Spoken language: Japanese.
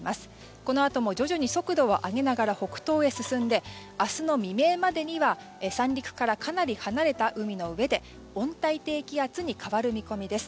このあとも徐々に速度を上げながら北東へ進んで明日の未明までには三陸からかなり離れた海の上で温帯低気圧に変わる見込みです。